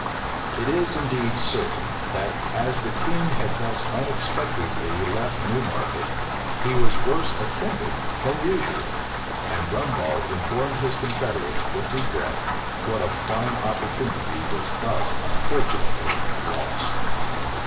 It is, indeed, certain, that as the king had thus unexpectedly left Newmarket, he was worse attended than usual; and Rumbald informed his confederates with regret what a fine opportunity was thus unfortunately lost.